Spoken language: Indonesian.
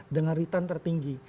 dengan return tertinggi